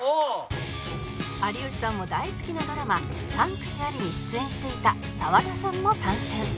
有吉さんも大好きなドラマ『サンクチュアリ』に出演していた澤田さんも参戦